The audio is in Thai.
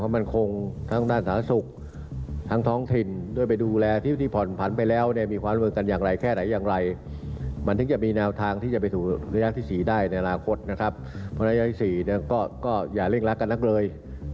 มุโยยันที่สี่ก็อย่าเร่งลากกันหลักเลย